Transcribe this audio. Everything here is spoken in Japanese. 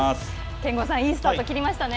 憲剛さん、いいスタートを切りましたね。